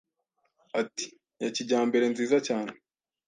Ati: ya kijyambere nziza cyane